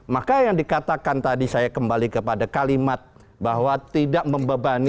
maka yang dikatakan tadi saya kembali kepada kalimat bahwa tidak membebani